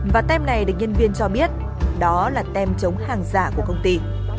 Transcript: và tem này được nhân viên cho biết đó là tem chống hàng giả của công ty